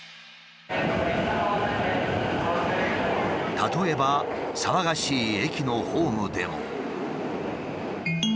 例えば騒がしい駅のホームでも。